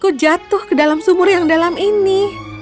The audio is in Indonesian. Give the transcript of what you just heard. aku jatuh ke dalam sumur yang dalam ini